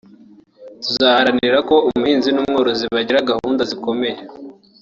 tuzaharanira ko umuhinzi n’umworozi bagira gahunda zikomeye